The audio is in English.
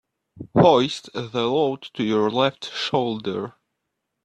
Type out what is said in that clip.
Hoist the load to your left shoulder.